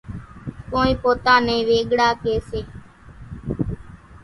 ڪونئين پوتا نين ويڳڙا ڪيَ سي۔